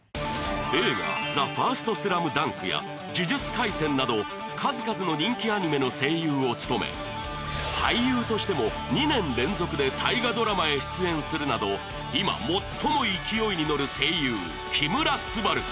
映画「ＴＨＥＦＩＲＳＴＳＬＡＭＤＵＮＫ」や呪術廻戦など数々の人気アニメの声優を務め俳優としても２年連続で大河ドラマへ出演するなど今最も勢いにのる声優木村昴